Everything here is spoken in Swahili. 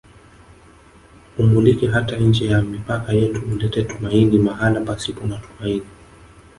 Umulike hata nje ya mipaka yetu ulete tumaini mahala pasipo na tumaini